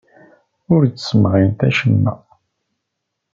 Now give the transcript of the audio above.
Ur d-tesɣimt acemma.